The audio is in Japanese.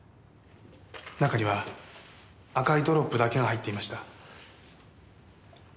中には赤いドロップだけが入っていました。